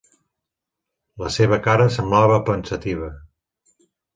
La seva cara semblava pensativa.